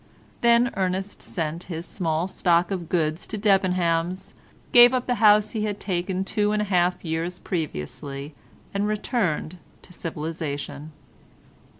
Then Ernest sent his small stock of goods to Debenham's, gave up the house he had taken two and a half years previously, and returned to civilisation.